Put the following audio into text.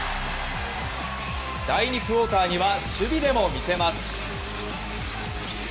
第２クオーターには守備でも見せます。